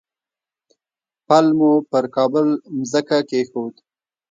پل مو پر کابل مځکه کېښود.